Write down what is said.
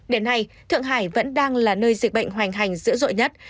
đến nay thượng hải vẫn đang là nơi dịch bệnh hoành hành dữ dội nhất